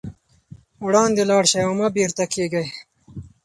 وړاندې لاړ شئ او مه بېرته کېږئ.